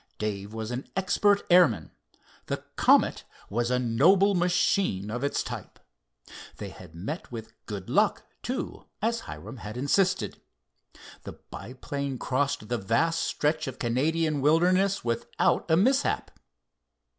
Dave was an expert airman. The Comet was a noble machine of its type. They had met with "good luck," too, Hiram had insisted. The biplane crossed the vast stretch of Canadian wilderness without a mishap.